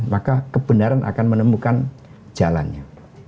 maka kebenaran akan menemukan jalannya